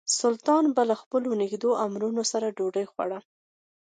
سلطان به له خپلو نژدې امراوو سره ډوډۍ خوړه.